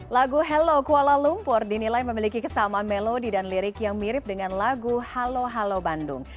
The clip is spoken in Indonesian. lagu halo kuala lumpur dinilai memiliki kesamaan melodi dan lirik yang mirip dengan lagu halo halo bandung